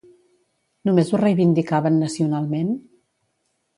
Només ho reivindicaven nacionalment?